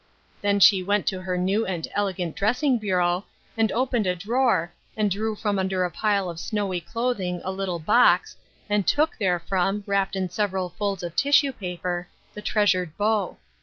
Then she went to her Qew and elegant dressing bureau, and opened a drawer, and drew from under a pile of snowy clothing a little box, and took therefrom, wrapped in several folds of tissue paper, the treasured bow.